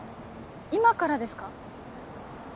今からですか？